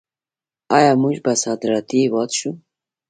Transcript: آیا موږ به صادراتي هیواد شو؟